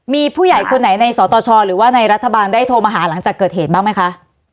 มีผู้ใหญ่คนไหนในสตชหรือว่าในรัฐบาลได้โทรมาหาหลังจากเกิดเหตุบ้างไหมคะ